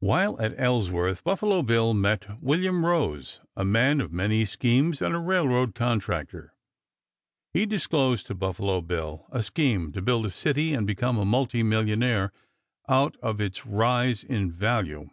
While at Ellsworth Buffalo Bill met William Rose, a man of many schemes and a railroad contractor. He disclosed to Buffalo Bill a scheme to build a city and become a millionaire out of its rise in value.